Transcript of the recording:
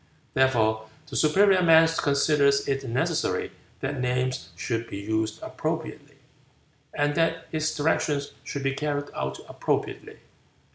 Therefore the superior man considers it necessary that names should be used appropriately, and that his directions should be carried out appropriately.